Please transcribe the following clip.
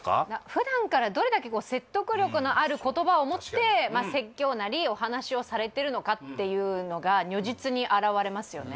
普段からどれだけ説得力のある言葉をもって説教なりおはなしをされてるのかっていうのが如実に表れますよね